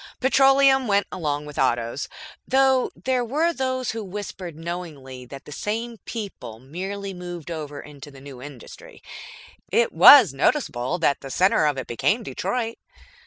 Petroleum went along with Autos. (Though there were those who whispered knowingly that the same people merely moved over into the new industry. It was noticeable that the center of it became Detroit.)